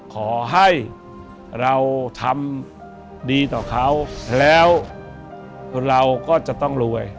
ขอให้เราทำดีต่อเขาแล้วเราก็จะต้องรวย